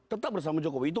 tetap bersama jokowi